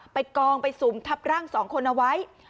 ไปกองไปสูมทับร่าง๒คนเอาไว้